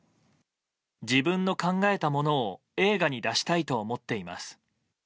自分の考えたものを映画に出したいと思っています。